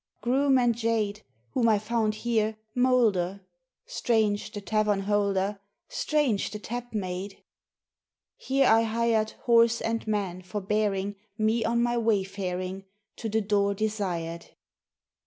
Groom and jade Whom I found here, moulder; Strange the tavern holder, Strange the tap maid. Here I hired Horse and man for bearing Me on my wayfaring To the door desired.